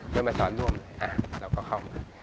ช่วยมาสอนร่วมเราก็เข้ามา